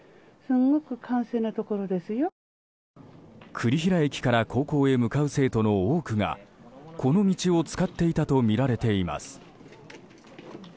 栗平駅から高校へ向かう生徒の多くがこの道を使っていたとみられています。